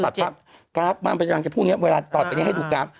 กราฟมามันไปจากพู่นี้เวลาตอบไปให้ดูกราฟ